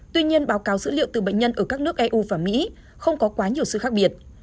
tuy nhiên báo cáo dữ liệu từ bệnh nhân ở các nước eu và mỹ không có quá nhiều sự khác biệt